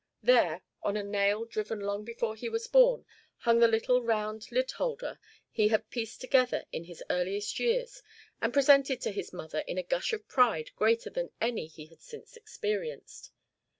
There, on a nail driven long before he was born, hung the little round lid holder he had pieced together in his earliest years and presented to his mother in a gush of pride greater than any he had since experienced.